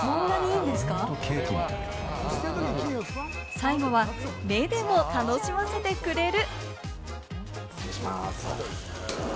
最後は目でも楽しませてくれる。